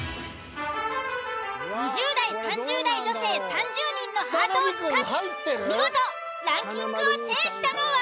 ２０代３０代女性３０人のハートをつかみ見事ランキングを制したのは？